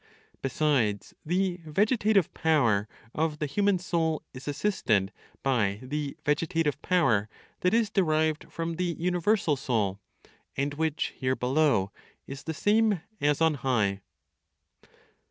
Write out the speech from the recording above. Besides, the vegetative power of the human soul is assisted by the vegetative power that is derived from the universal (Soul), and which here below is the same (as on high).